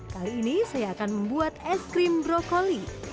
kali ini saya akan membuat es krim brokoli